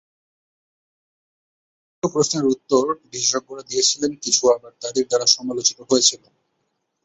কিছু প্রশ্নের উত্তর বিশেষজ্ঞরা দিয়েছিলেন কিছু আবার তাঁদের দ্বারা সমালোচিত হয়েছিল।